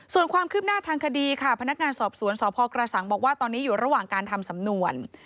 ส่วนความคืบหน้าทางคดีค่ะพนักงานสอบสวนสพกระสังบอกว่าตอนนี้อยู่ระหว่างการทำสำนวน